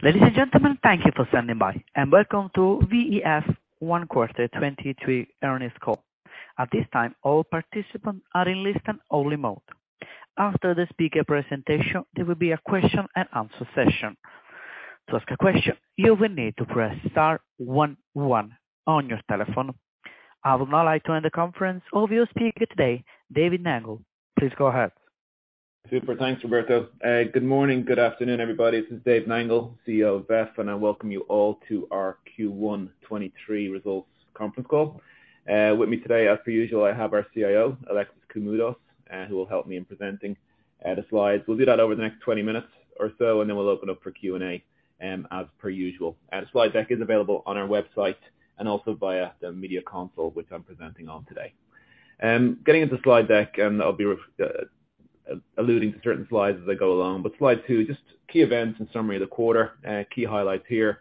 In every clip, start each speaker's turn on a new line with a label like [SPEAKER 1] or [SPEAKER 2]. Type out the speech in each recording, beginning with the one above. [SPEAKER 1] Ladies and gentlemen, thank you for standing by. Welcome to VEF Q1 2023 earnings call. At this time, all participants are in listen only mode. After the speaker presentation, there will be a question and answer session. To ask a question, you will need to press star 11 on your telephone. I would now like to end the conference. Our viewer speaker today, David Nangle. Please go ahead.
[SPEAKER 2] Super. Thanks, Roberto. Good morning, good afternoon, everybody. This is Dave Nangle, CEO of VEF, and I welcome you all to our Q1 2023 results conference call. With me today, as per usual, I have our CIO, Alexis Koumoudos, who will help me in presenting the slides. We'll do that over the next 20 minutes or so, and then we'll open up for Q&A, as per usual. Our slide deck is available on our website and also via the media console, which I'm presenting on today. Getting into the slide deck, and I'll be alluding to certain slides as I go along. Slide two, just key events and summary of the quarter. Key highlights here.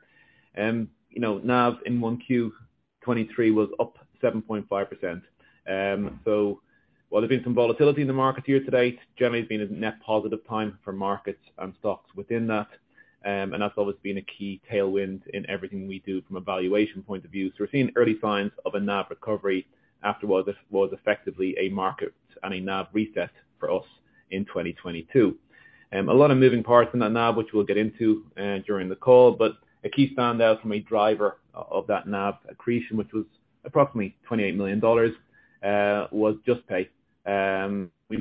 [SPEAKER 2] You know, NAV in 1Q 2023 was up 7.5%. While there's been some volatility in the market year to date, generally it's been a net positive time for markets and stocks within that. That's always been a key tailwind in everything we do from a valuation point of view. We're seeing early signs of a NAV recovery after what was effectively a market and a NAV reset for us in 2022. A lot of moving parts in that NAV, which we'll get into during the call. A key standout from a driver of that NAV accretion, which was approximately $28 million, was Juspay. we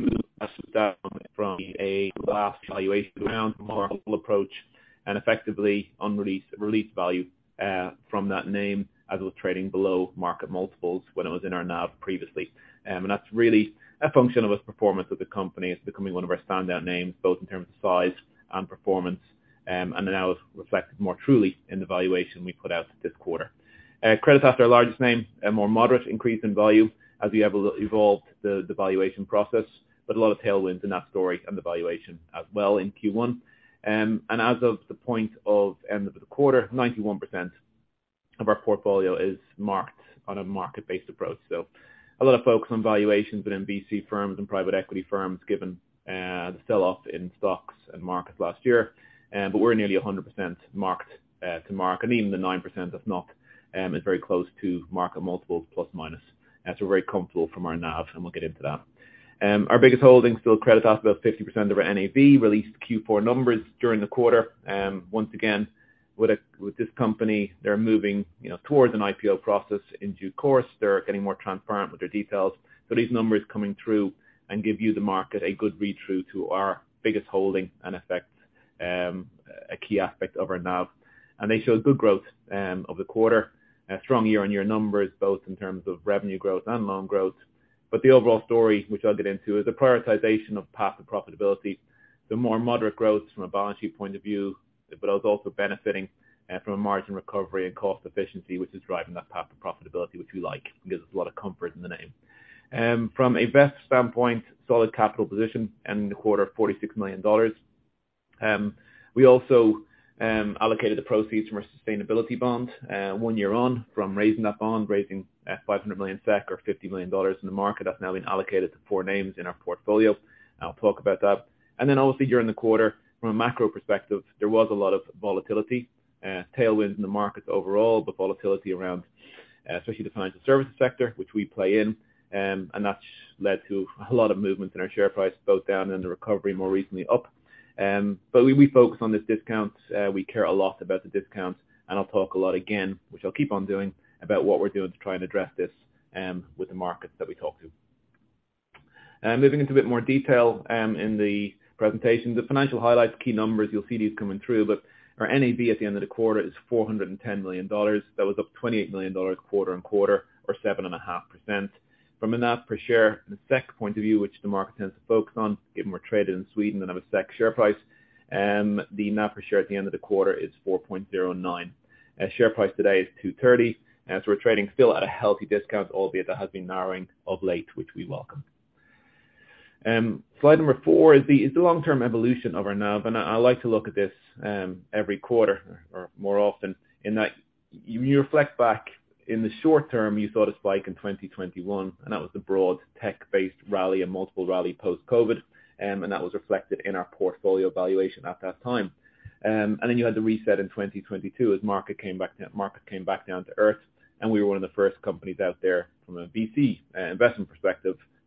[SPEAKER 2] from a valuation standpoint. We're seeing early signs of a NAV recovery after what was effectively a market and a NAV reset for us in 2022. A lot of moving parts in that NAV, which we'll get into during the call. A key standout from a driver of that NAV accretion, which was approximately $28 million, was Juspay. we from a valuation standpoint. We're seeing early signs of a NAV recovery after what was effectively a market and a NAV reset for us in 2022. A lot of moving parts in that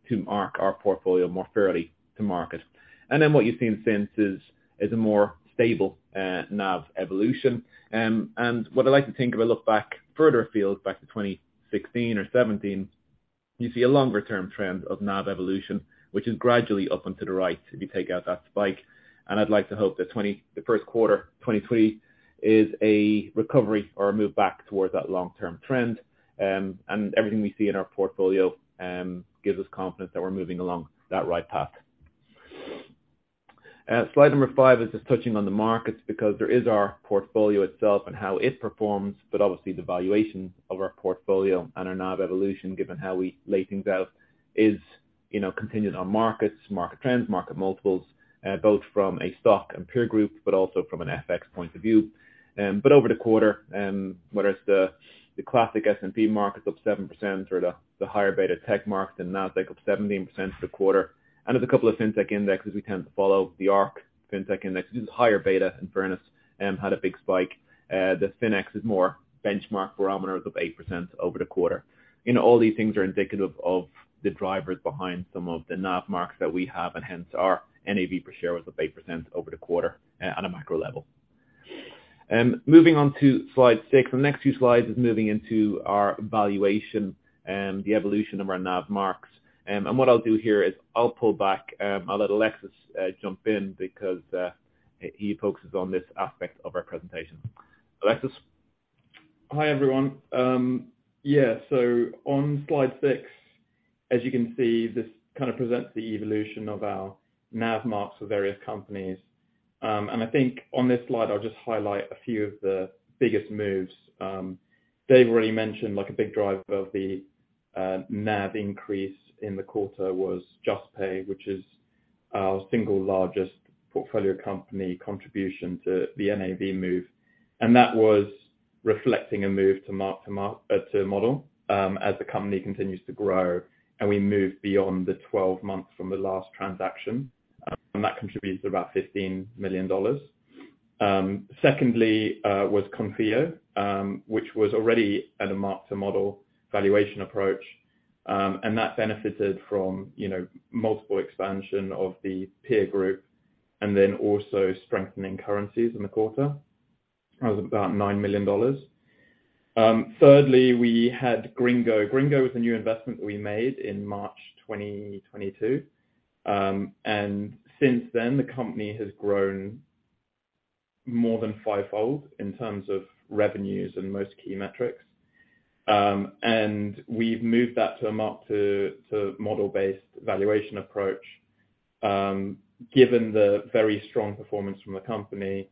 [SPEAKER 2] NAV, which we'll get into during the call. A key standout from a driver of that NAV accretion, which was approximately $28 million, was Juspay. we from a valuation standpoint. There's a couple of FinTech indexes we tend to follow. The ARK Fintech Index, which is higher beta than FINX, had a big spike. The FINX is more benchmark barometers of 8% over the quarter. You know, all these things are indicative of the drivers behind some of the NAV marks that we have, and hence our NAV per share was up 8% over the quarter on a macro level. Moving on to slide six. The next few slides is moving into our valuation and the evolution of our NAV marks. What I'll do here is I'll pull back, I'll let Alexis jump in because he focuses on this aspect of our presentation. Alexis?
[SPEAKER 3] Hi, everyone. Yeah, on slide six, as you can see, this kind of presents the evolution of our NAV marks for various companies. I think on this slide, I'll just highlight a few of the biggest moves. David already mentioned like a big driver of the NAV increase in the quarter was Juspay, which is our single largest portfolio company contribution to the NAV move. That was reflecting a move to mark to model as the company continues to grow, and we move beyond the 12 months from the last transaction. That contributes about $15 million. Secondly, was Konfio, which was already at a mark to model valuation approach. That benefited from, you know, multiple expansion of the peer group and then also strengthening currencies in the quarter. That was about $9 million. Thirdly, we had Gringo. Gringo was a new investment we made in March 2022. Since then, the company has grown more than fivefold in terms of revenues and most key metrics. We've moved that to a mark to model-based valuation approach, given the very strong performance from the company,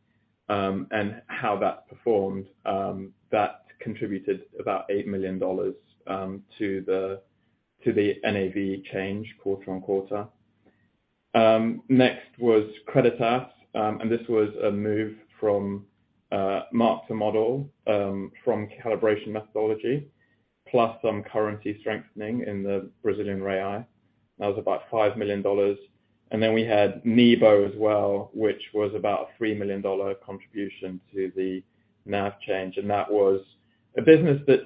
[SPEAKER 3] and how that performed, that contributed about $8 million to the NAV change quarter-on-quarter. Next was Creditas, this was a move from mark to model, from calibration methodology, plus some currency strengthening in the Brazilian real. That was about $5 million. We had Nibo as well, which was about a $3 million contribution to the NAV change. That was a business that's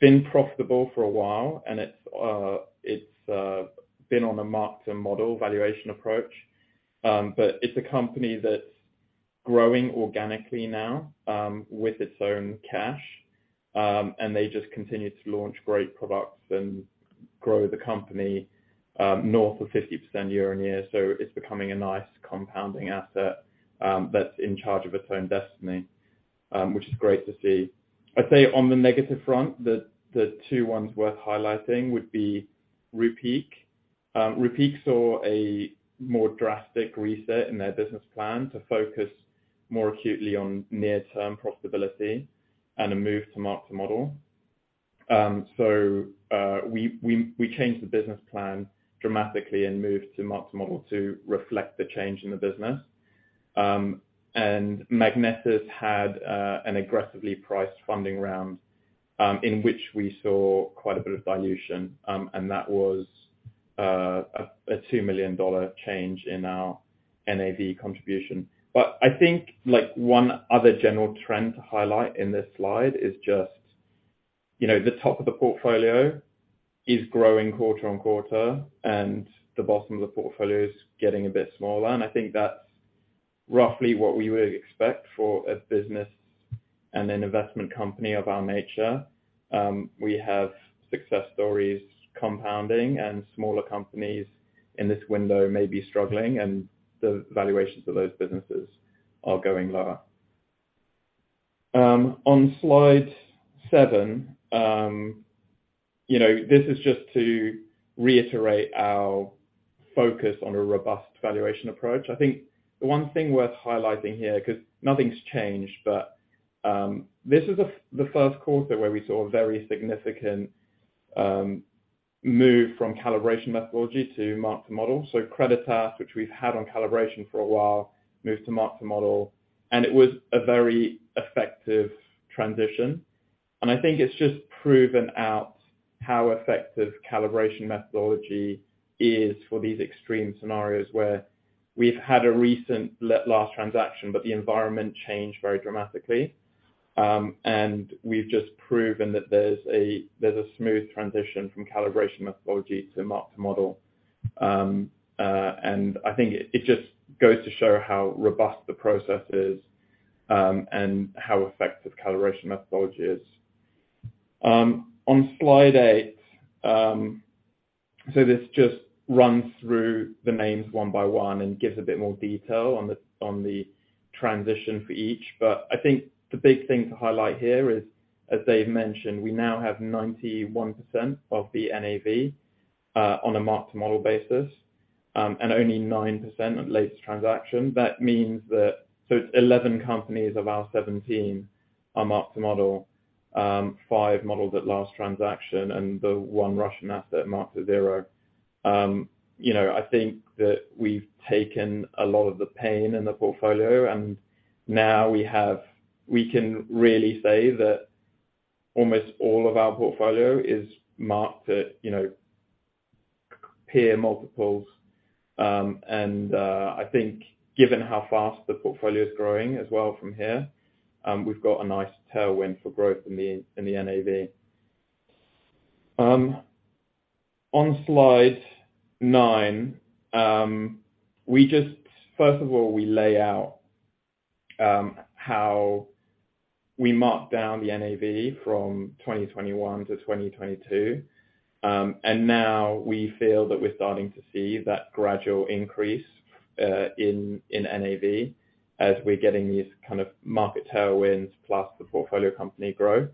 [SPEAKER 3] been profitable for a while, and it's been on a mark to model valuation approach. It's a company that's growing organically now, with its own cash, and they just continue to launch great products and grow the company north of 50% year-on-year. It's becoming a nice compounding asset that's in charge of its own destiny, which is great to see. I'd say on the negative front, the two ones worth highlighting would be Rupeek. Rupeek saw a more drastic reset in their business plan to focus more acutely on near-term profitability and a move to mark to model. We changed the business plan dramatically and moved to mark to model to reflect the change in the business. Magnetis had an aggressively priced funding round, in which we saw quite a bit of dilution, and that was a $2 million change in our NAV contribution. I think, like one other general trend to highlight in this slide is just, you know, the top of the portfolio is growing quarter-on-quarter, and the bottom of the portfolio is getting a bit smaller. I think that's roughly what we would expect for a business and an investment company of our nature. We have success stories compounding and smaller companies in this window may be struggling and the valuations of those businesses are going lower. On slide seven, you know, this is just to reiterate our focus on a robust valuation approach. I think the one thing worth highlighting here, 'cause nothing's changed, but, this is the Q1 where we saw a very significant move from calibration methodology to mark to model. Creditas, which we've had on calibration for a while, moved to mark to model, and it was a very effective transition. I think it's just proven out how effective calibration methodology is for these extreme scenarios where we've had a recent last transaction, but the environment changed very dramatically. We've just proven that there's a, there's a smooth transition from calibration methodology to mark to model. I think it just goes to show how robust the process is, and how effective calibration methodology is. On slide eight, this just runs through the names one by one and gives a bit more detail on the transition for each. I think the big thing to highlight here is, as Dave mentioned, we now have 91% of the NAV on a mark-to-model basis, and only 9% at latest transaction. That means that... it's 11 companies of our 17 are mark to model, five modeled at last transaction and the one Russian asset marked to zero. You know, I think that we've taken a lot of the pain in the portfolio, and now we can really say that almost all of our portfolio is marked at, you know, peer multiples. I think given how fast the portfolio is growing as well from here, we've got a nice tailwind for growth in the NAV. On Slide nine, first of all, we lay out how we marked down the NAV from 2021 to 2022. Now we feel that we're starting to see that gradual increase in NAV as we're getting these kind of market tailwinds plus the portfolio company grow.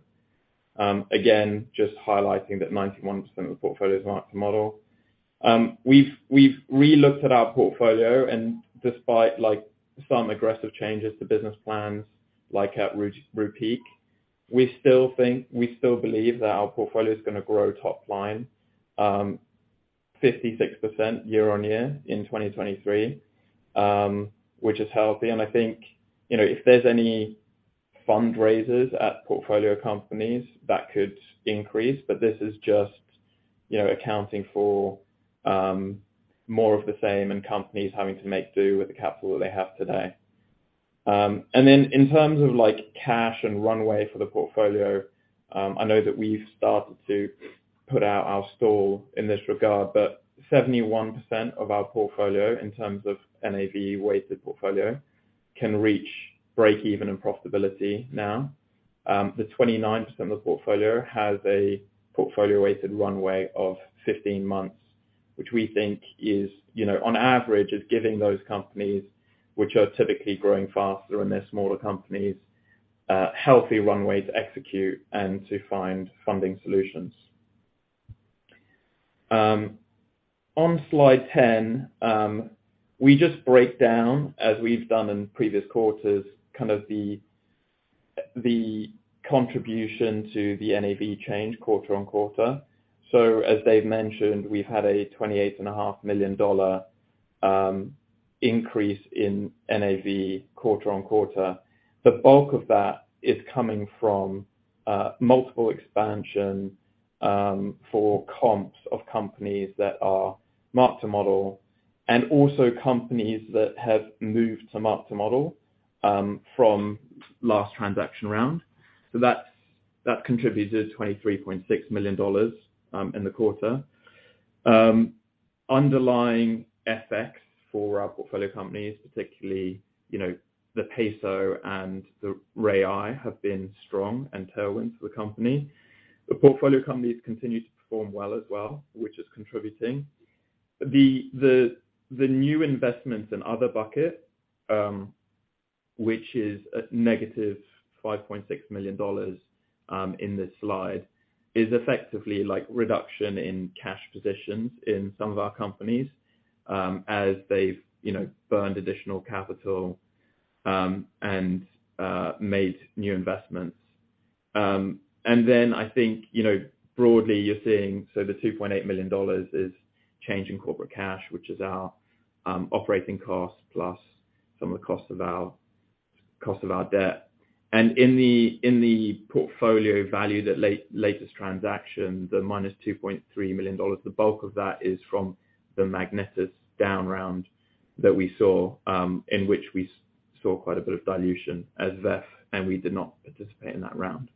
[SPEAKER 3] Again, just highlighting that 91% of the portfolio is mark to model. We've re-looked at our portfolio, and despite like some aggressive changes to business plans like at Rupeek, we still believe that our portfolio is going to grow top line 56% year-on-year in 2023, which is healthy. I think, you know, if there's any fundraisers at portfolio companies, that could increase. This is just, you know, accounting for more of the same and companies having to make do with the capital that they have today. In terms of like cash and runway for the portfolio, I know that we've started to put out our stall in this regard, 71% of our portfolio, in terms of NAV-weighted portfolio, can reach break-even and profitability now. The 29% of the portfolio has a portfolio-weighted runway of 15 months, which we think is, you know, on average is giving those companies which are typically growing faster and they're smaller companies, healthy runway to execute and to find funding solutions. On slide 10, we just break down, as we've done in previous quarters, kind of the contribution to the NAV change quarter-on-quarter. As Dave mentioned, we've had a $28.5 million increase in NAV quarter-on-quarter. The bulk of that is coming from multiple expansion for comps of companies that are mark to model and also companies that have moved to mark to model from last transaction round. That contributed $23.6 million in the quarter. Underlying FX for our portfolio companies, particularly, you know, the Peso and the Real have been strong and tailwind for the company. The portfolio companies continue to perform well as well, which is contributing. The new investments in other bucket, which is at -$5.6 million in this slide, is effectively like reduction in cash positions in some of our companies, as they've, you know, burned additional capital and made new investments. I think, you know, broadly you're seeing, so the $2.8 million is change in corporate cash, which is our operating costs plus some of the cost of our debt. In the portfolio value, that latest transaction, the -$2.3 million, the bulk of that is from the Magnetis down round that we saw, in which we saw quite a bit of dilution as VEF, and we did not participate in that round.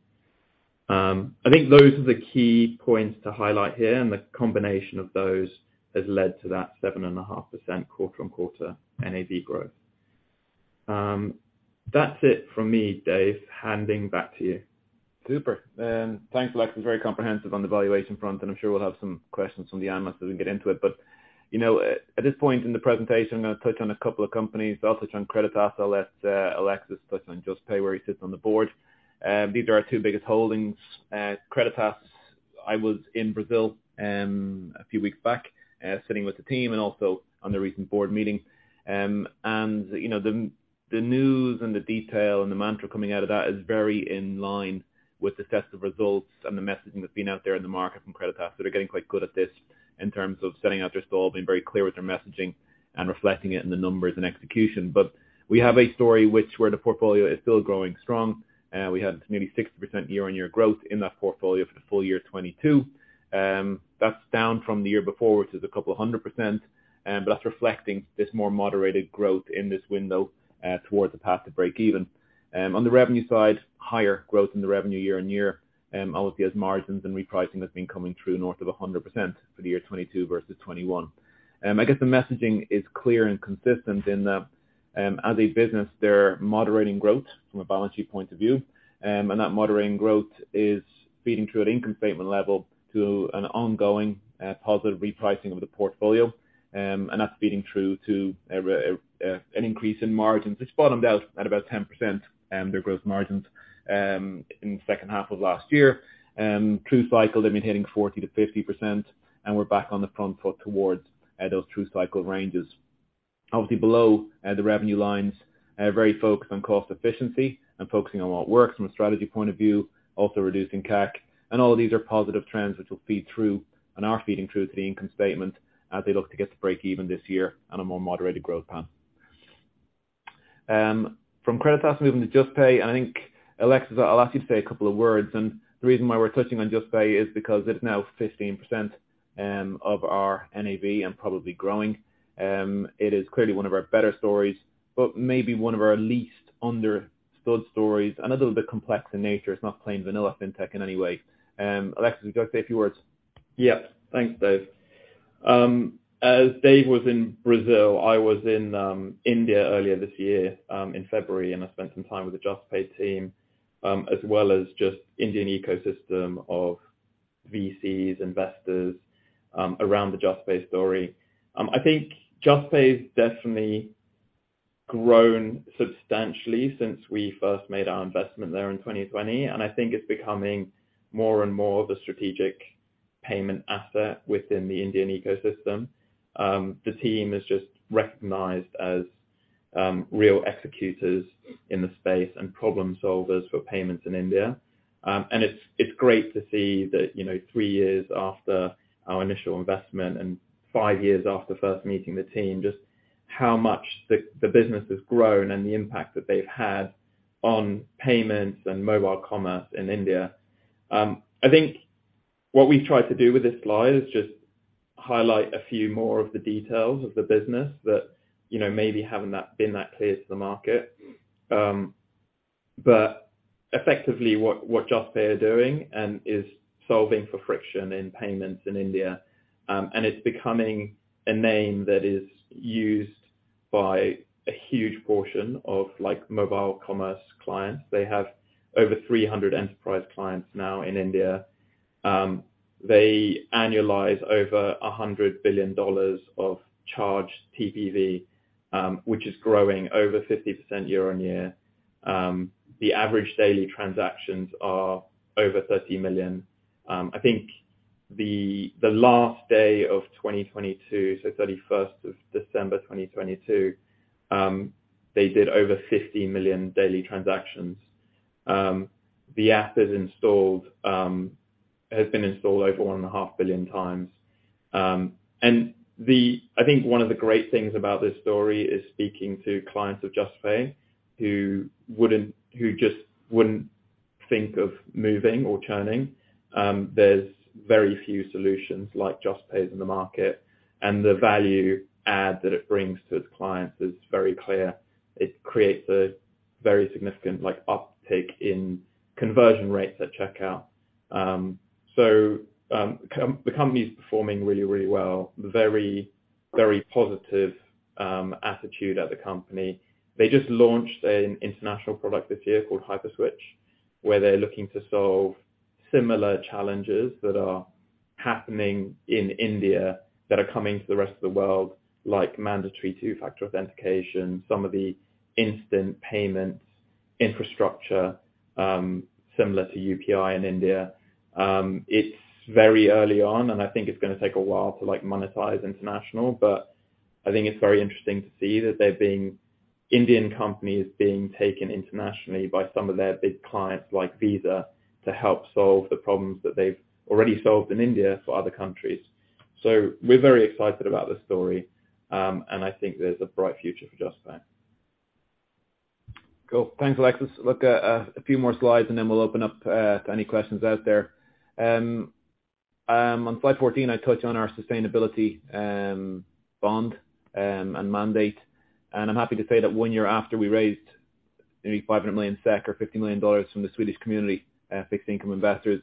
[SPEAKER 3] I think those are the key points to highlight here. The combination of those has led to that 7.5% quarter-over-quarter NAV growth. That's it from me, Dave. Handing back to you.
[SPEAKER 2] Super. Thanks, Alexis. Very comprehensive on the valuation front, and I'm sure we'll have some questions from the analysts as we get into it. You know, at this point in the presentation, I'm gonna touch on a couple of companies. I'll touch on Creditas. I'll let Alexis touch on Juspay, where he sits on the board. These are our two biggest holdings. Creditas, I was in Brazil a few weeks back, sitting with the team and also on the recent board meeting. You know, the news and the detail and the mantra coming out of that is very in line with the set of results and the messaging that's been out there in the market from Creditas. They're getting quite good at this in terms of setting out their stall, being very clear with their messaging and reflecting it in the numbers and execution. We have a story which where the portfolio is still growing strong. We had maybe 60% year-on-year growth in that portfolio for the full year 2022. That's down from the year before, which is a couple of 100%, but that's reflecting this more moderated growth in this window, towards the path to break even. On the revenue side, higher growth in the revenue year-on-year, obviously as margins and repricing has been coming through north of 100% for the year 2022 versus 2021. I guess the messaging is clear and consistent in that, as a business, they're moderating growth from a balance sheet point of view. That moderating growth is feeding through at income statement level to an ongoing positive repricing of the portfolio. That's feeding through to an increase in margins. It's bottomed out at about 10%, their growth margins in the second half of last year. True cycle, they've been hitting 40%-50%, and we're back on the front foot towards those true cycle ranges. Obviously below the revenue lines are very focused on cost efficiency and focusing on what works from a strategy point of view, also reducing CAC. All of these are positive trends which will feed through and are feeding through to the income statement as they look to get to break even this year on a more moderated growth path. From Creditas moving to Juspay, I think, Alexis, I'll ask you to say a couple of words. The reason why we're touching on Juspay is because it's now 15% of our NAV and probably growing. It is clearly one of our better stories, but maybe one of our least understood stories and a little bit complex in nature. It's not plain vanilla Fintech in any way. Alexis, would you like to say a few words?
[SPEAKER 3] Yeah. Thanks, Dave. As Dave was in Brazil, I was in India earlier this year, in February, and I spent some time with the Juspay team, as well as just Indian ecosystem of VCs, investors, around the Juspay story. I think Juspay's definitely grown substantially since we first made our investment there in 2020, and I think it's becoming more and more the strategic payment asset within the Indian ecosystem. The team is just recognized as real executors in the space and problem solvers for payments in India. And it's great to see that, you know, three years after our initial investment and five years after first meeting the team, just how much the business has grown and the impact that they've had on payments and mobile commerce in India. I think what we've tried to do with this slide is just highlight a few more of the details of the business that, you know, maybe haven't been that clear to the market. Effectively what Juspay are doing is solving for friction in payments in India, and it's becoming a name that is used by a huge portion of, like, mobile commerce clients. They have over 300 enterprise clients now in India. They annualize over $100 billion of charged TPV, which is growing over 50% year-on-year. The average daily transactions are over 30 million. I think the last day of 2022, so 31st of December 2022, they did over 50 million daily transactions. The app is installed, has been installed over 1.5 billion times. I think one of the great things about this story is speaking to clients of Juspay who just wouldn't think of moving or churning. There's very few solutions like Juspay in the market, and the value add that it brings to its clients is very clear. It creates a very significant, like, uptake in conversion rates at checkout. The company's performing really, really well. Very, very positive attitude at the company. They just launched an international product this year called Hyperswitch, where they're looking to solve similar challenges that are happening in India that are coming to the rest of the world, like mandatory two-factor authentication, some of the instant payments infrastructure, similar to UPI in India. It's very early on, and I think it's going to take a while to, like, monetize international, but I think it's very interesting to see that Indian companies being taken internationally by some of their big clients, like Visa, to help solve the problems that they've already solved in India for other countries. We're very excited about this story, and I think there's a bright future for Juspay.
[SPEAKER 2] Cool. Thanks, Alexis. Look, a few more slides and then we'll open up to any questions out there. On slide 14, I touch on our Sustainability Bond and mandate. I'm happy to say that one year after we raised nearly 500 million SEK or $50 million from the Swedish community, fixed income investors,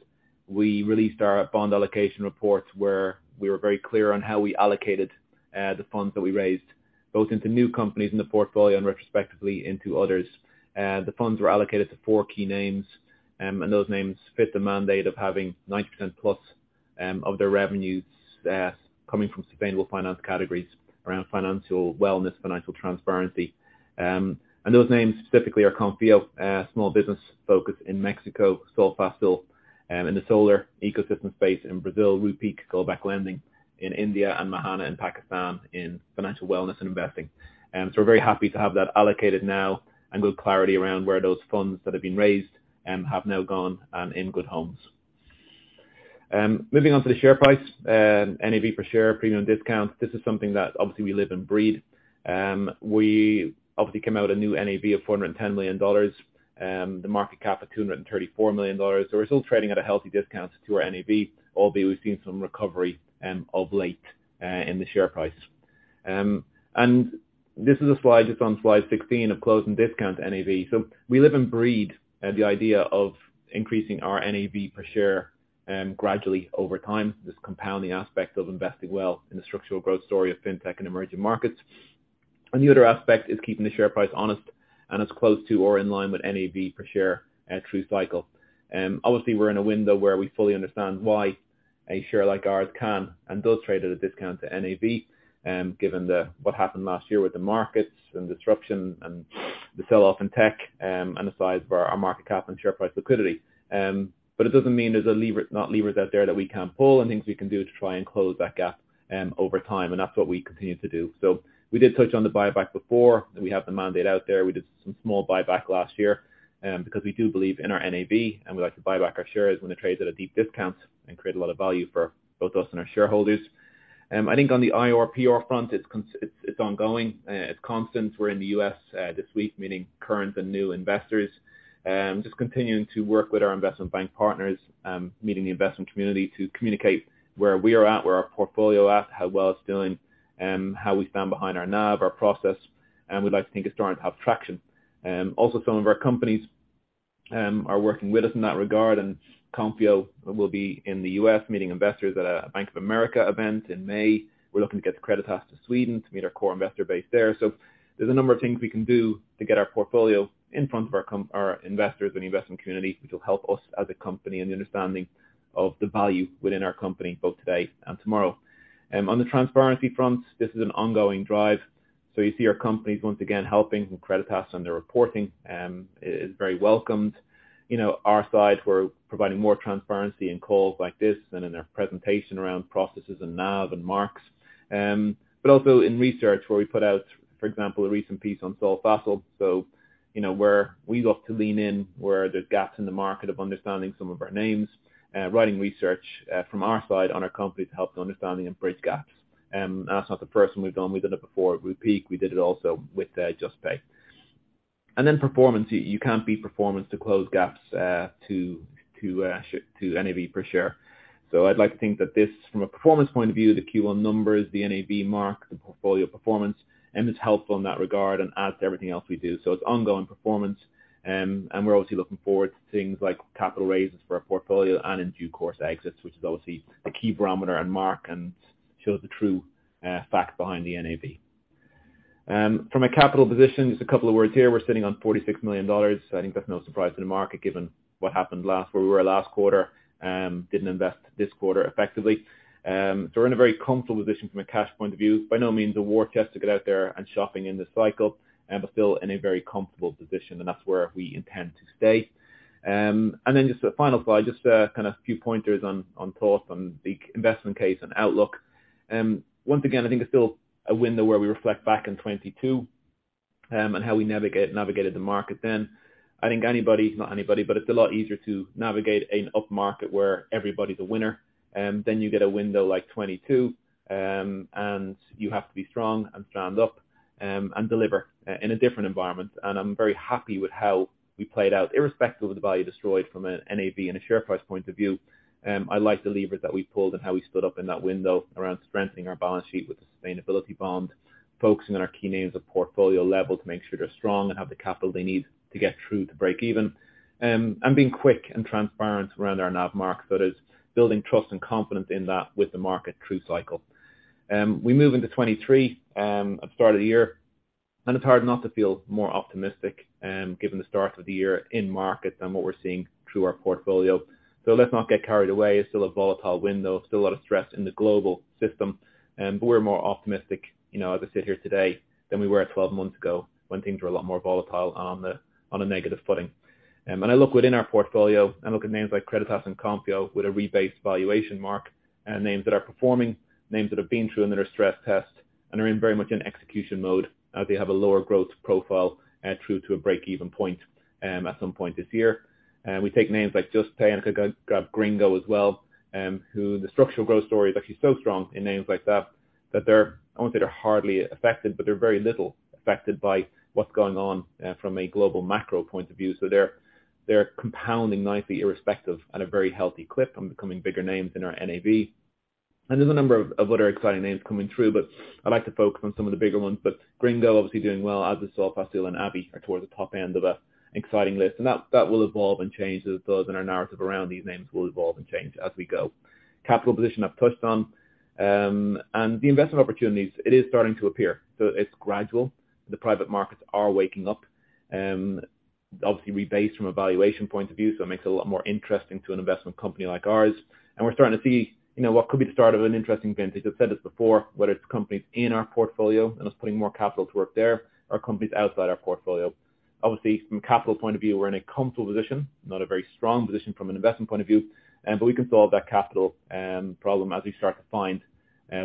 [SPEAKER 2] we released our bond allocation report where we were very clear on how we allocated the funds that we raised, both into new companies in the portfolio and retrospectively into others. The funds were allocated to four key names, and those names fit the mandate of having 90% plus of their revenues coming from sustainable finance categories around financial wellness, financial transparency. Those names specifically are Konfio, a small business focused in Mexico, Solfácil, in the solar ecosystem space in Brazil, Rupeek, global lending in India, and Mahaana in Pakistan in financial wellness and investing. We're very happy to have that allocated now and good clarity around where those funds that have been raised have now gone and in good homes. Moving on to the share price, NAV per share, premium discounts. This is something that obviously we live and breathe. We obviously came out with a new NAV of $410 million. The market cap of $234 million. We're still trading at a healthy discount to our NAV, albeit we've seen some recovery of late in the share price. This is a slide that's on slide 16 of closing discount NAV. We live and breathe the idea of increasing our NAV per share gradually over time, just compounding aspects of investing well in the structural growth story of Fintech in emerging markets. The other aspect is keeping the share price honest, and it's close to or in line with NAV per share at true cycle. Obviously, we're in a window where we fully understand why a share like ours can and does trade at a discount to NAV, given what happened last year with the markets and disruption and the sell-off in tech, and the size of our market cap and share price liquidity. But it doesn't mean there's not levers out there that we can't pull and things we can do to try and close that gap over time, and that's what we continue to do. We did touch on the buyback before, and we have the mandate out there. We did some small buyback last year because we do believe in our NAV, and we like to buy back our shares when it trades at a deep discount and create a lot of value for both us and our shareholders. I think on the IRPR front, it's ongoing. It's constant. We're in the U.S. this week, meeting current and new investors. Just continuing to work with our investment bank partners, meeting the investment community to communicate where we are at, where our portfolio at, how well it's doing, how we stand behind our NAV, our process. We'd like to think it's starting to have traction. Also some of our companies are working with us in that regard, Konfio will be in the U.S. meeting investors at a Bank of America event in May. We're looking to get Creditas to Sweden to meet our core investor base there. There's a number of things we can do to get our portfolio in front of our investors and the investment community, which will help us as a company in the understanding of the value within our company, both today and tomorrow. On the transparency front, this is an ongoing drive. You see our companies once again helping with credit tasks on their reporting, is very welcomed. You know, our side, we're providing more transparency in calls like this and in their presentation around processes and NAV and marks. Also in research where we put out, for example, a recent piece on Solfácil. You know, where we look to lean in, where there's gaps in the market of understanding some of our names, writing research from our side on our company to help the understanding and bridge gaps. That's not the first time we've done. We did it before with Peak. We did it also with Juspay. Performance, you can't beat performance to close gaps to NAV per share. I'd like to think that this, from a performance point of view, the Q1 numbers, the NAV mark, the portfolio performance is helpful in that regard and adds to everything else we do. It's ongoing performance. And we're obviously looking forward to things like capital raises for our portfolio and in due course, exits, which is obviously a key barometer and mark and shows the true fact behind the NAV. From a capital position, just a couple of words here. We're sitting on $46 million. I think that's no surprise to the market given what happened where we were last quarter. Didn't invest this quarter effectively. So we're in a very comfortable position from a cash point of view. By no means a war chest to get out there and shopping in this cycle, still in a very comfortable position, and that's where we intend to stay. And then just a final thought, just kind of a few pointers on thoughts on the investment case and outlook. Once again, I think it's still a window where we reflect back in 22 and how we navigated the market then. I think anybody, not anybody, but it's a lot easier to navigate an up market where everybody's a winner. Then you get a window like 22 and you have to be strong and stand up and deliver in a different environment. I'm very happy with how we played out irrespective of the value destroyed from a NAV and a share price point of view. I like the levers that we pulled and how we stood up in that window around strengthening our balance sheet with the sustainability bond, focusing on our key names of portfolio level to make sure they're strong and have the capital they need to get through to break even. Being quick and transparent around our NAV mark that is building trust and confidence in that with the market through cycle. We move into 2023 at the start of the year, and it's hard not to feel more optimistic given the start of the year in market than what we're seeing through our portfolio. Let's not get carried away. It's still a volatile window, still a lot of stress in the global system, but we're more optimistic, you know, as I sit here today than we were 12 months ago when things were a lot more volatile on a negative footing. When I look within our portfolio, I look at names like Credit House and Compio with a rebased valuation mark and names that are performing, names that have been through and that are stress-tested and are in very much in execution mode as they have a lower growth profile, true to a break-even point at some point this year. We take names like Juspay and Gringo as well, who the structural growth story is actually so strong in names like that they're... I won't say they're hardly affected, but they're very little affected by what's going on from a global macro point of view. They're compounding nicely irrespective at a very healthy clip and becoming bigger names in our NAV. There's a number of other exciting names coming through, but I'd like to focus on some of the bigger ones. Gringo obviously doing well, as is Solfácil and ABHI are towards the top end of an exciting list. That will evolve and change as those in our narrative around these names will evolve and change as we go. Capital position I've touched on. The investment opportunities, it is starting to appear. It's gradual. The private markets are waking up. Obviously rebased from a valuation point of view, so it makes it a lot more interesting to an investment company like ours. We're starting to see, you know, what could be the start of an interesting vintage. I've said this before, whether it's companies in our portfolio and us putting more capital to work there or companies outside our portfolio. Obviously from a capital point of view, we're in a comfortable position, not a very strong position from an investment point of view, but we can solve that capital problem as we start to find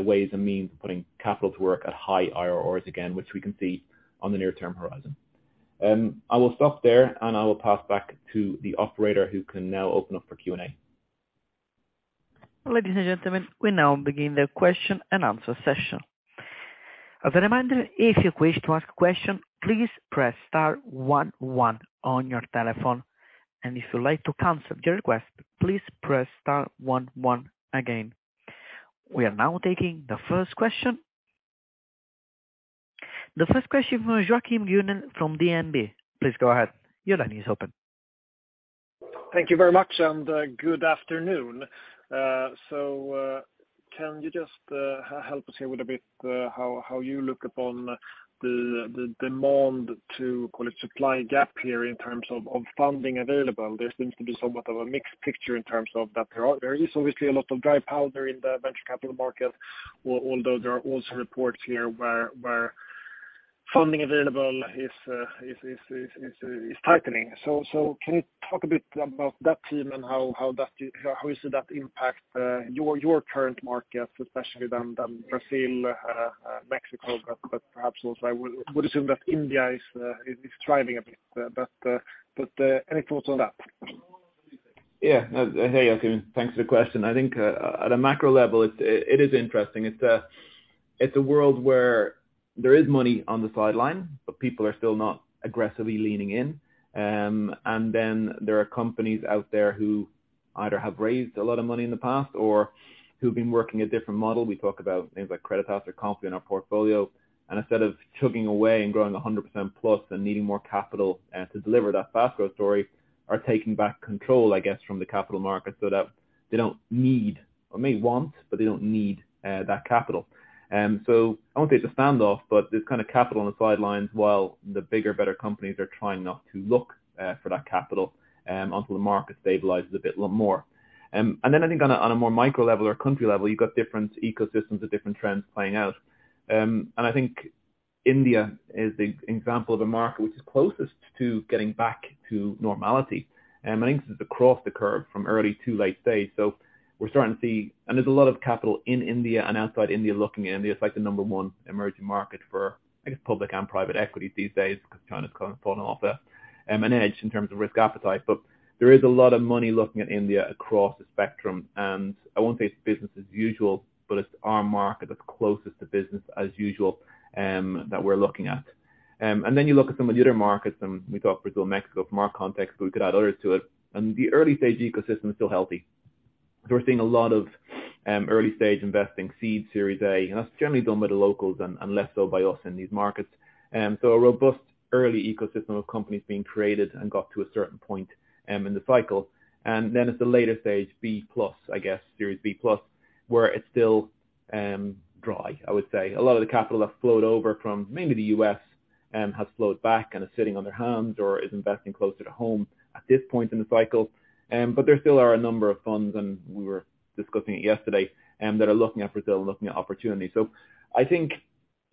[SPEAKER 2] ways and means of putting capital to work at high IRRs again, which we can see on the near-term horizon. I will stop there, and I will pass back to the operator who can now open up for Q&A.
[SPEAKER 1] Ladies and gentlemen, we now begin the question-and-answer session. As a reminder, if you wish to ask a question, please press star one one on your telephone. If you'd like to cancel your request, please press star one one again. We are now taking the first question. The first question from Joachim Gunell from DNB. Please go ahead. Your line is open.
[SPEAKER 4] Thank you very much. Good afternoon. Can you just help us here with a bit how you look upon the demand to, call it, supply gap here in terms of funding available? There seems to be somewhat of a mixed picture in terms of that. There is obviously a lot of dry powder in the venture capital market, although there are also reports here where funding available is tightening. Can you talk a bit about that theme and how you see that impact your current markets, especially then Brazil, Mexico, but perhaps also I would assume that India is thriving a bit. Any thoughts on that?
[SPEAKER 2] Yeah. Hey, Joakim. Thanks for the question. I think, at a macro level, it is interesting. It's a world where there is money on the sideline, people are still not aggressively leaning in. There are companies out there who have raised a lot of money in the past or who've been working a different model. We talk about things like Credit House or Comfy in our portfolio, instead of chugging away and growing 100% plus and needing more capital to deliver that fast growth story are taking back control, I guess, from the capital market so that they don't need or may want, but they don't need that capital. I won't say it's a standoff, but there's kind of capital on the sidelines while the bigger, better companies are trying not to look for that capital until the market stabilizes a bit lot more. I think on a more micro level or country level, you've got different ecosystems or different trends playing out. I think India is the example of a market which is closest to getting back to normality. I think this is across the curve from early to late stage. We're starting to see. There's a lot of capital in India and outside India looking at India. It's like the number 1 emerging market for, I guess, public and private equity these days because China's kind of fallen off an edge in terms of risk appetite. There is a lot of money looking at India across the spectrum. I won't say it's business as usual, but it's our market that's closest to business as usual, that we're looking at. You look at some of the other markets, and we talk Brazil, Mexico from our context, but we could add others to it. The early-stage ecosystem is still healthy. We're seeing a lot of, early-stage investing seed Series A, and that's generally done by the locals and less so by us in these markets. A robust early ecosystem of companies being created and got to a certain point in the cycle. It's the later stage B plus, I guess, Series B plus, where it's still dry, I would say. A lot of the capital that flowed over from mainly the US has flowed back and is sitting on their hands or is investing closer to home at this point in the cycle. There still are a number of funds, and we were discussing it yesterday, that are looking at Brazil and looking at opportunities. I think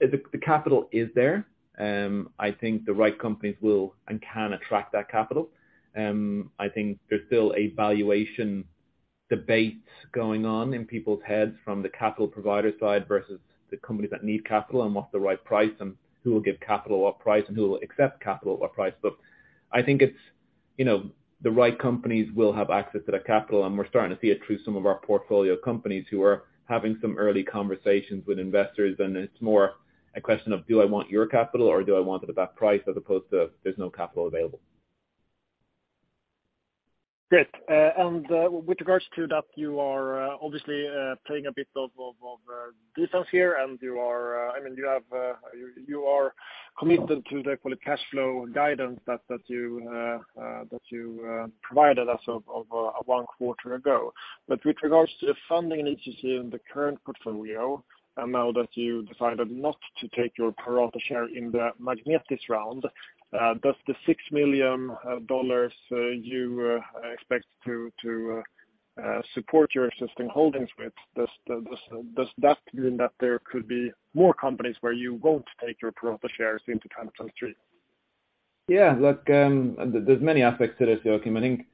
[SPEAKER 2] the capital is there. I think the right companies will and can attract that capital. I think there's still a valuation debate going on in people's heads from the capital provider side versus the companies that need capital and what's the right price and who will give capital what price and who will accept capital what price. I think it's, you know, the right companies will have access to that capital, and we're starting to see it through some of our portfolio companies who are having some early conversations with investors, and it's more a question of do I want your capital or do I want it at that price as opposed to there's no capital available.
[SPEAKER 4] Great. With regards to that, you are obviously playing a bit of distance here, and you are, I mean, you have, you are committed to the, call it cash flow guidance that you provided us of one quarter ago. With regards to the funding needs you see in the current portfolio, and now that you decided not to take your pro rata share in the Magnetis round, does the $6 million you expect to support your existing holdings with, does that mean that there could be more companies where you won't take your pro rata shares into 2023?
[SPEAKER 2] Yeah. Look, there's many aspects to this, Joakim. I think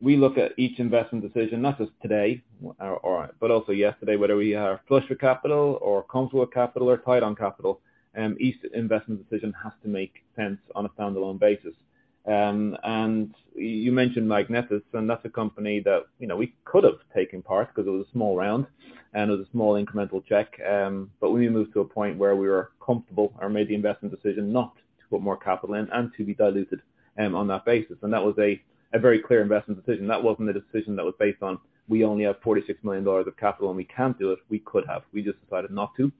[SPEAKER 2] we look at each investment decision not just today but also yesterday, whether we are flush with capital or console with capital or tight on capital, each investment decision has to make sense on a standalone basis. You mentioned Magnetis, and that's a company that, you know, we could have taken part because it was a small round, and it was a small incremental check. We moved to a point where we were comfortable or made the investment decision not to put more capital in and to be diluted on that basis. That was a very clear investment decision. That wasn't a decision that was based on we only have $46 million of capital, and we can't do it, we could have. We just decided not to.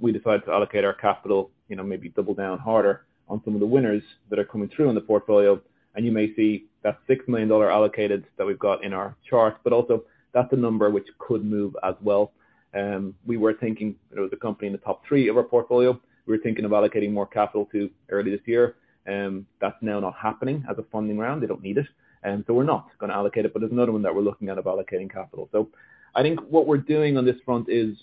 [SPEAKER 2] We decided to allocate our capital, you know, maybe double down harder on some of the winners that are coming through in the portfolio. You may see that $6 million allocated that we've got in our charts, but also that's a number which could move as well. We were thinking there was a company in the top three of our portfolio we were thinking of allocating more capital to early this year. That's now not happening as a funding round. They don't need it. We're not gonna allocate it, but there's another one that we're looking at allocating capital. I think what we're doing on this front is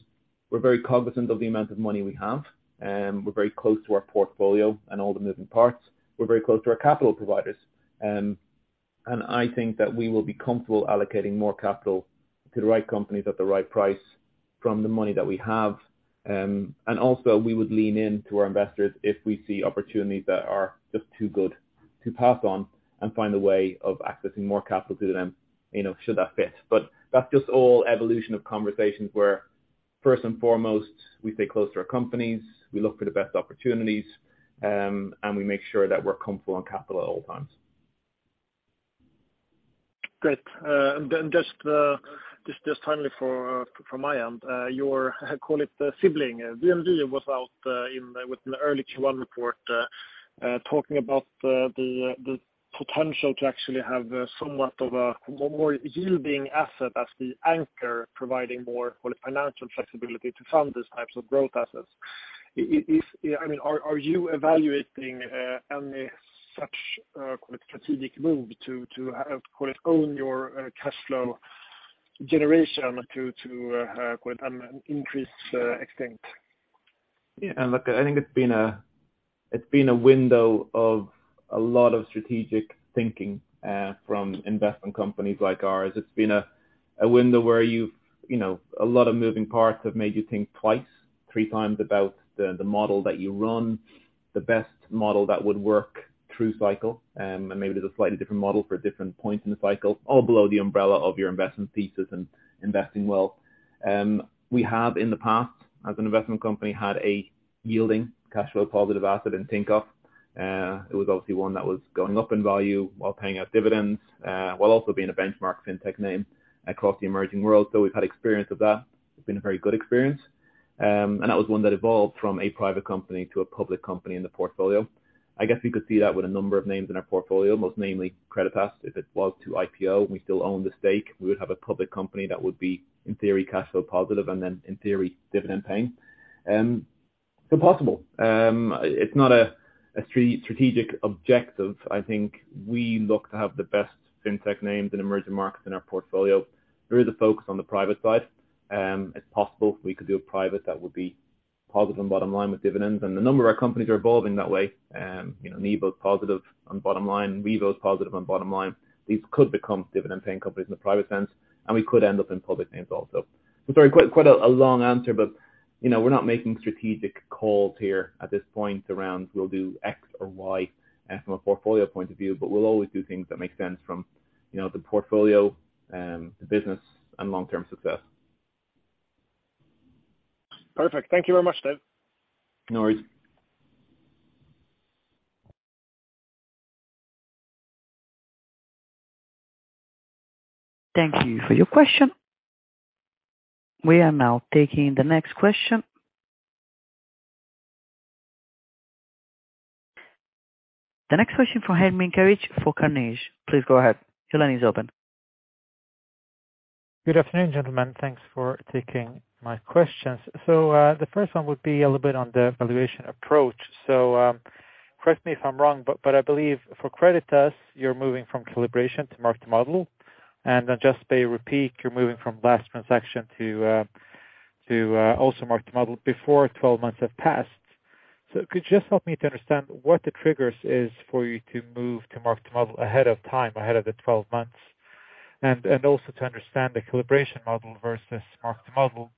[SPEAKER 2] we're very cognizant of the amount of money we have, we're very close to our portfolio and all the moving parts. We're very close to our capital providers. I think that we will be comfortable allocating more capital to the right companies at the right price from the money that we have. Also we would lean in to our investors if we see opportunities that are just too good to pass on and find a way of accessing more capital to them, you know, should that fit. That's just all evolution of conversations where first and foremost, we stay close to our companies, we look for the best opportunities, and we make sure that we're comfortable on capital at all times.
[SPEAKER 4] Great. Then just finally for from my end, your, I call it the sibling, VNV, was out in with an early Q1 report, talking about the potential to actually have somewhat of a more yielding asset as the anchor, providing more financial flexibility to fund these types of growth assets. I mean, are you evaluating any such strategic move to have, call it own your cash flow generation to call it increase extent?
[SPEAKER 2] Look, I think it's been a, it's been a window of a lot of strategic thinking, from investment companies like ours. It's been a window where you've, you know, a lot of moving parts have made you think twice, three times about the model that you run, the best model that would work through cycle. Maybe there's a slightly different model for different points in the cycle, all below the umbrella of your investment thesis and investing well. We have in the past, as an investment company, had a yielding cash flow positive asset in Tinkoff. It was obviously one that was going up in value while paying out dividends, while also being a benchmark fintech name across the emerging world. We've had experience of that. It's been a very good experience. That was one that evolved from a private company to a public company in the portfolio. I guess we could see that with a number of names in our portfolio, most namely Creditas. If it was to IPO and we still own the stake, we would have a public company that would be, in theory, cash flow positive and then, in theory, dividend-paying. Possible. It's not a strategic objective. I think we look to have the best fintech names in emerging markets in our portfolio through the focus on the private side. It's possible we could do a private that would be positive on bottom line with dividends. A number of our companies are evolving that way. You know, Nibo's positive on bottom line. Revo's positive on bottom line. These could become dividend paying companies in the private sense, we could end up in public hands also. Sorry, quite a long answer, but, you know, we're not making strategic calls here at this point around we'll do X or Y from a portfolio point of view, but we'll always do things that make sense from, you know, the portfolio, the business and long-term success.
[SPEAKER 4] Perfect. Thank you very much, David.
[SPEAKER 2] No worries.
[SPEAKER 1] Thank you for your question. We are now taking the next question. The next question from Herman Karré for Carnegie. Please go ahead. Your line is open.
[SPEAKER 5] Good afternoon, gentlemen. Thanks for taking my questions. The first one would be a little bit on the valuation approach. Correct me if I'm wrong, but I believe for Creditas, you're moving from calibration to mark to model. Juspay and Rupeek, you're moving from last transaction to also mark to model before 12 months have passed. Could you just help me to understand what the triggers is for you to move to mark to model ahead of time, ahead of the 12 months? Also to understand the calibration model versus mark to model.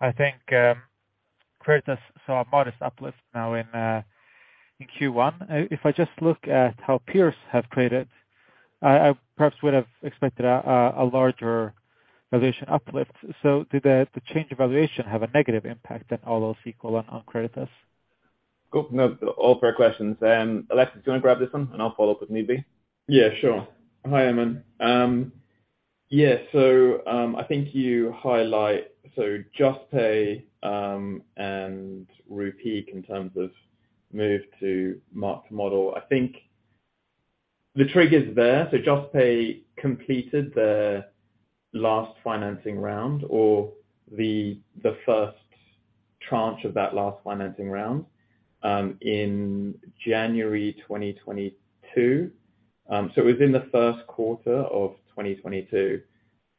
[SPEAKER 5] I think Creditas saw a modest uplift now in Q1. If I just look at how peers have created, I perhaps would have expected a larger valuation uplift. Did the change of valuation have a negative impact on all else equal on Creditas?
[SPEAKER 2] Cool. No, all fair questions. Alexis, do you wanna grab this one and I'll follow up with David?
[SPEAKER 3] Yeah, sure. Hi, Herman. I think you highlight... Juspay and Rupeek in terms of move to mark to model. I think the trigger's there. Juspay completed the last financing round or the first tranche of that last financing round in January 2022. It was in the first quarter of 2022.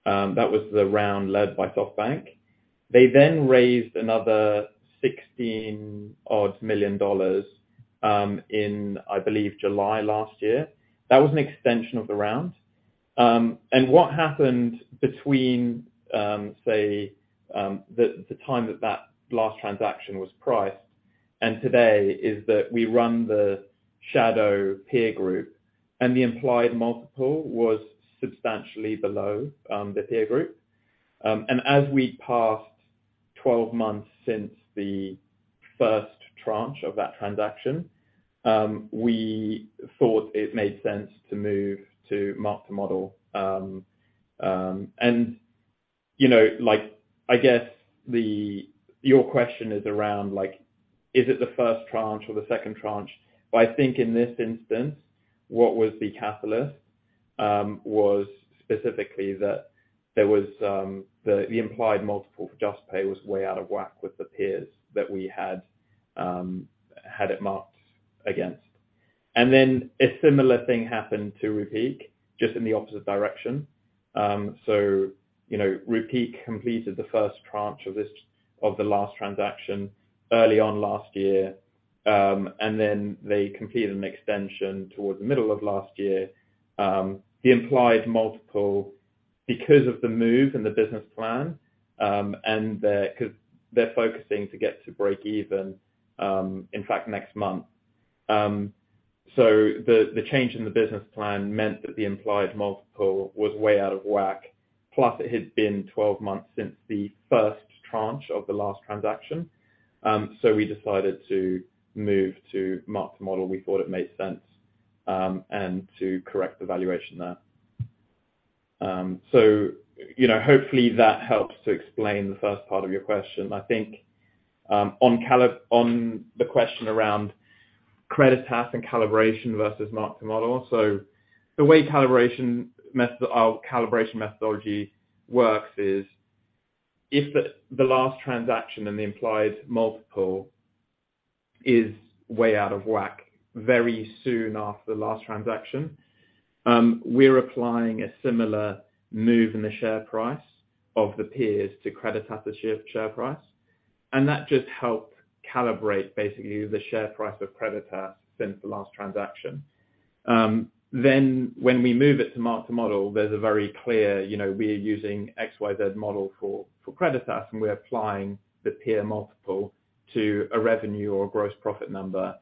[SPEAKER 3] That was the round led by SoftBank. They raised another $16 million in, I believe, July last year. That was an extension of the round. What happened between the time that that last transaction was priced and today is that we run the shadow peer group, and the implied multiple was substantially below the peer group. As we passed 12 months since the first tranche of that transaction, we thought it made sense to move to mark to model. You know, like, I guess your question is around, like, is it the first tranche or the second tranche? I think in this instance, what was the catalyst, was specifically that there was the implied multiple for Juspay was way out of whack with the peers that we had it marked against. Then a similar thing happened to Rupeek, just in the opposite direction. You know, Rupeek completed the first tranche of the last transaction early on last year, and then they completed an extension towards the middle of last year. The implied multiple, because of the move in the business plan, and they're focusing to get to break even, in fact, next month. The change in the business plan meant that the implied multiple was way out of whack. It had been 12 months since the 1st tranche of the last transaction, we decided to move to mark to model. We thought it made sense, and to correct the valuation there. You know, hopefully that helps to explain the 1st part of your question. I think, on the question around Creditas and calibration versus mark to model. The way our calibration methodology works is if the last transaction and the implied multiple is way out of whack very soon after the last transaction, we're applying a similar move in the share price of the peers to Creditas share price. That just helps calibrate basically the share price of Creditas since the last transaction. When we move it to mark to model, there's a very clear, you know, we're using XYZ model for Creditas, and we're applying the peer multiple to a revenue or gross profit number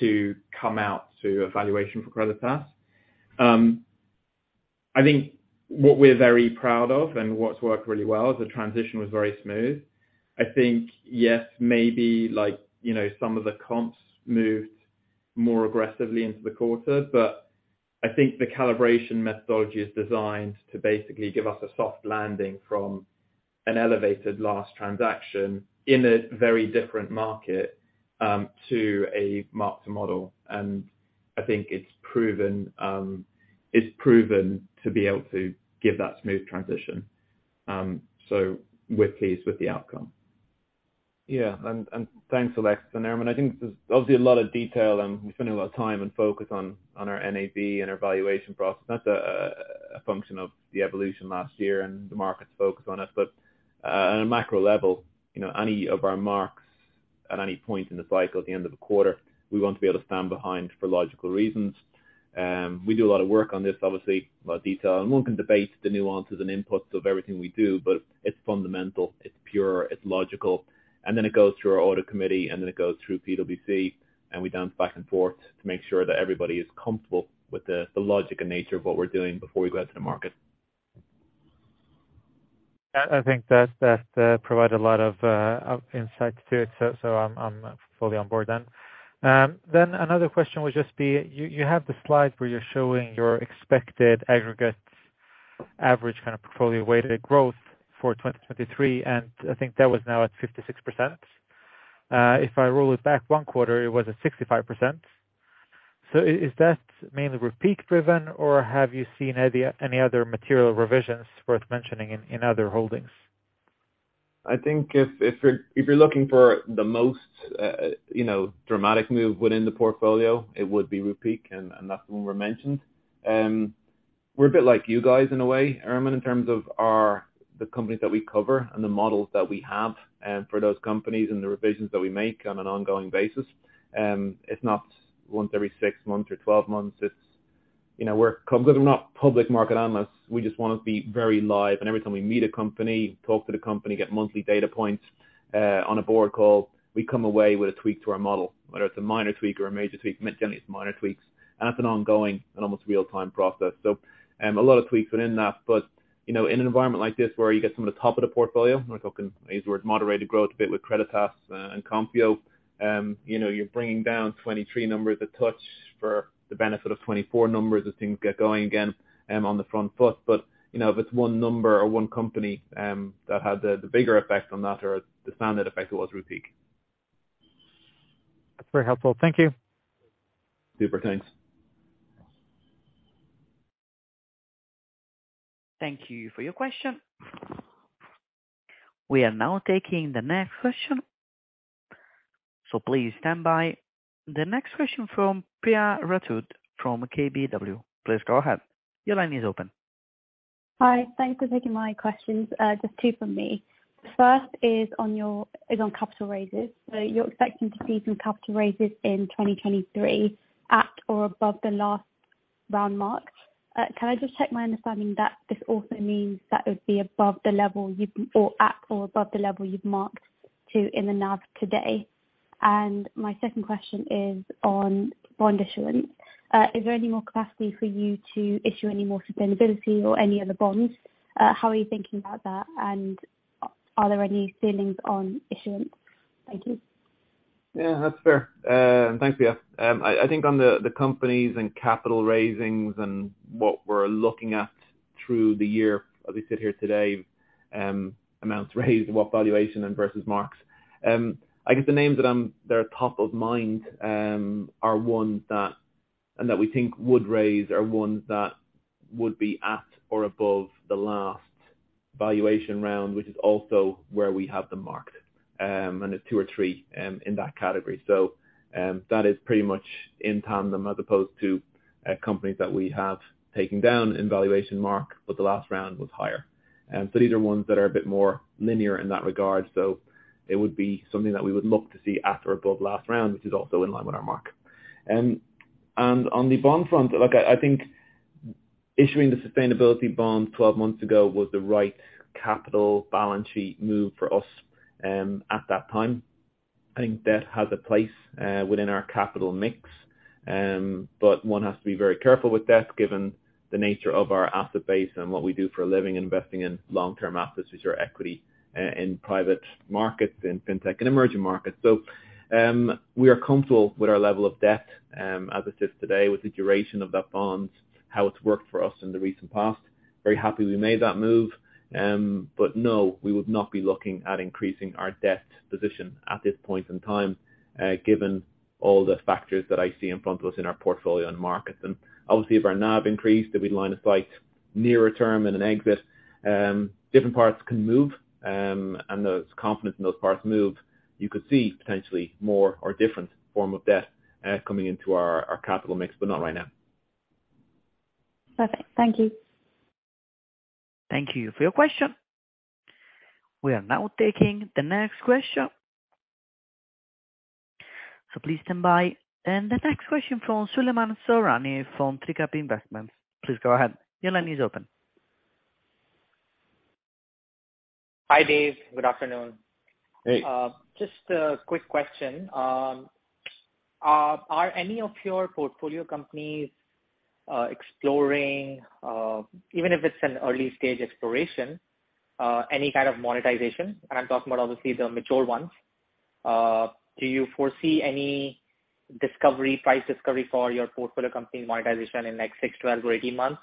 [SPEAKER 3] to come out to a valuation for Creditas. I think what we're very proud of and what's worked really well is the transition was very smooth. I think, yes, maybe like, you know, some of the comps moved more aggressively into the quarter. I think the calibration methodology is designed to basically give us a soft landing from an elevated last transaction in a very different market, to a mark-to-model. I think it's proven to be able to give that smooth transition. We're pleased with the outcome.
[SPEAKER 2] Yeah. Thanks, Alex. Herman, I think there's obviously a lot of detail, and we spend a lot of time and focus on our NAV and our valuation process. That's a function of the evolution last year and the market's focus on it. At a macro level, you know, any of our marks at any point in the cycle at the end of the quarter, we want to be able to stand behind for logical reasons. We do a lot of work on this, obviously, a lot of detail. One can debate the nuances and inputs of everything we do, but it's fundamental, it's pure, it's logical. It goes through our Audit Committee. It goes through PwC. We dance back and forth to make sure that everybody is comfortable with the logic and nature of what we're doing before we go out to the market.
[SPEAKER 5] I think that provided a lot of insight to it, so I'm fully on board then. Another question would just be you have the slide where you're showing your expected aggregate average kind of portfolio weighted growth for 2023, and I think that was now at 56%. If I roll it back one quarter, it was at 65%. Is that mainly repeat driven or have you seen any other material revisions worth mentioning in other holdings?
[SPEAKER 2] I think if you're, if you're looking for the most, you know, dramatic move within the portfolio, it would be Rupeek, and that's the one we mentioned. We're a bit like you guys in a way, Herman, in terms of the companies that we cover and the models that we have for those companies and the revisions that we make on an ongoing basis. It's not once every six months or 12 months. It's, you know, 'cause we're not public market analysts. We just wanna be very live. Every time we meet a company, talk to the company, get monthly data points on a board call, we come away with a tweak to our model, whether it's a minor tweak or a major tweak. Generally, it's minor tweaks, and that's an ongoing and almost real-time process. A lot of tweaks within that. You know, in an environment like this where you get some of the top of the portfolio, we're talking, I use the word moderated growth a bit with Creditas and Compio. You know, you're bringing down 23 numbers a touch for the benefit of 24 numbers as things get going again on the front foot. You know, if it's one number or one company that had the bigger effect on that or the standard effect was Rupeek.
[SPEAKER 5] That's very helpful. Thank you.
[SPEAKER 2] Super. Thanks.
[SPEAKER 1] Thank you for your question. We are now taking the next question, so please stand by. The next question from Priya Rathod from KBW. Please go ahead. Your line is open.
[SPEAKER 6] Hi. Thanks for taking my questions. Just two from me. First is on capital raises. You're expecting to see some capital raises in 2023 at or above the last round marks. Can I just check my understanding that this also means that it would be above the level you've or at or above the level you've marked to in the NAV today? My second question is on bond issuance. Is there any more capacity for you to issue any more Sustainability Bonds or any other bonds? How are you thinking about that? Are there any ceilings on issuance? Thank you.
[SPEAKER 2] Yeah, that's fair. Thanks, Priya. I think on the companies and capital raisings and what we're looking at through the year as we sit here today, amounts raised and what valuation and versus marks. I guess the names that are top of mind are ones that, and that we think would raise are ones that would be at or above the last valuation round, which is also where we have them marked. It's two or three in that category. That is pretty much in tandem as opposed to companies that we have taken down in valuation mark, but the last round was higher. These are ones that are a bit more linear in that regard. It would be something that we would look to see at or above last round, which is also in line with our mark. On the bond front, look, I think issuing the Sustainability Bond 12 months ago was the right capital balance sheet move for us at that time. I think debt has a place within our capital mix. One has to be very careful with debt given the nature of our asset base and what we do for a living, investing in long-term assets, which are equity in private markets, in fintech and emerging markets. We are comfortable with our level of debt as it is today with the duration of that bond, how it's worked for us in the recent past. Very happy we made that move. No, we would not be looking at increasing our debt position at this point in time, given all the factors that I see in front of us in our portfolio and markets. Obviously if our NAV increased, if we line of sight nearer term in an exit, different parts can move, and there's confidence in those parts move. You could see potentially more or different form of debt coming into our capital mix, but not right now.
[SPEAKER 6] Perfect. Thank you.
[SPEAKER 1] Thank you for your question. We are now taking the next question, so please stand by. The next question from Suleiman Soorani from Trikaya Capital. Please go ahead. Your line is open.
[SPEAKER 7] Hi, Dave. Good afternoon.
[SPEAKER 2] Hey.
[SPEAKER 7] question. Are any of your portfolio companies exploring, even if it's an early-stage exploration, any kind of monetization? I'm talking about obviously the mature ones. Do you foresee any discovery, price discovery for your portfolio company monetization in like 6, 12, or 18 months?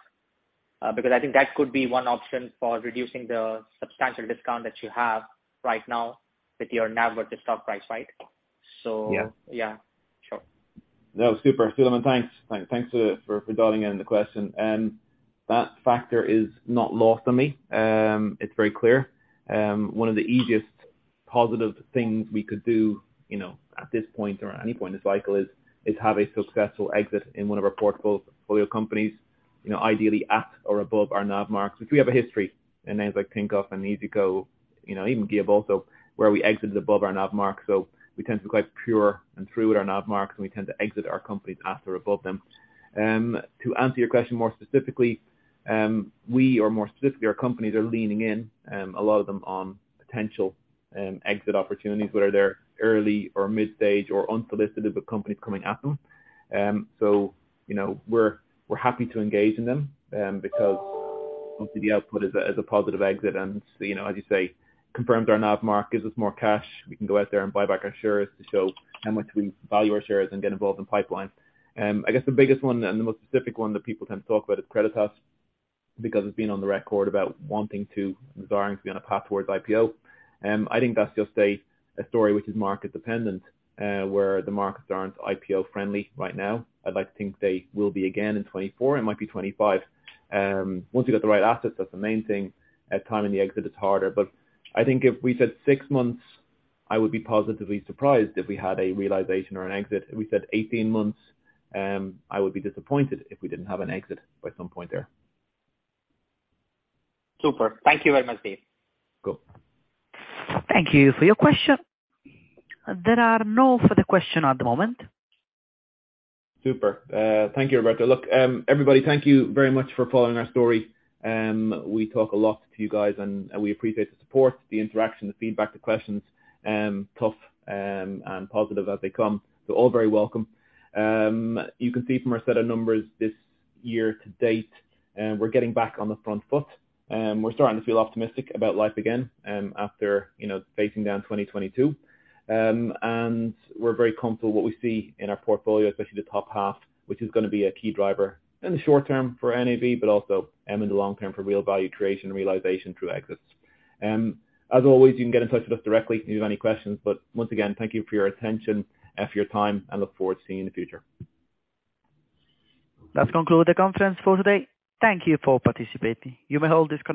[SPEAKER 7] Because I think that could be one option for reducing the substantial discount that you have right now with your NAV or the stock price, right? </VEF
[SPEAKER 2] Yeah.
[SPEAKER 7] Yeah, sure.
[SPEAKER 2] Super, Suleiman. Thanks. Thanks for dialing in the question. That factor is not lost on me. It's very clear. One of the easiest positive things we could do, you know, at this point or any point in the cycle is have a successful exit in one of our portfolio companies, you know, ideally at or above our NAV marks, which we have a history in names like Tinkoff and iyzico, you know, even GuiaBolso, where we exited above our NAV mark. We tend to be quite pure and through with our NAV marks, and we tend to exit our companies at or above them. To answer your question more specifically, we or more specifically our companies are leaning in a lot of them on potential exit opportunities, whether they're early or mid-stage or unsolicited, with companies coming at them. You know, we're happy to engage in them because obviously the output is a positive exit and, you know, as you say, confirms our NAV mark, gives us more cash. We can go out there and buy back our shares to show how much we value our shares and get involved in pipelines. I guess the biggest one and the most specific one that people tend to talk about is Creditas, because it's been on the record about wanting to and desiring to be on a path towards IPO. I think that's just a story which is market dependent, where the markets aren't IPO friendly right now. I'd like to think they will be again in 2024. It might be 2025. Once you've got the right assets that's the main thing. At time in the exit it's harder, but I think if we said six months, I would be positively surprised if we had a realization or an exit. If we said 18 months, I would be disappointed if we didn't have an exit by some point there.
[SPEAKER 7] Super. Thank you very much, Dave.
[SPEAKER 2] Cool.
[SPEAKER 1] Thank you for your question. There are no further question at the moment.
[SPEAKER 2] Super. Thank you, Roberta. Everybody, thank you very much for following our story. We talk a lot to you guys and we appreciate the support, the interaction, the feedback, the questions, tough and positive as they come. They're all very welcome. You can see from our set of numbers this year to date, we're getting back on the front foot. We're starting to feel optimistic about life again, after, you know, facing down 2022. We're very comfortable with what we see in our portfolio, especially the top half, which is gonna be a key driver in the short term for NAV, but also in the long term for real value creation realization through exits. As always, you can get in touch with us directly if you have any questions, but once again, thank you for your attention, for your time, and look forward to seeing you in the future.
[SPEAKER 1] That conclude the conference for today. Thank you for participating. You may all disconnect.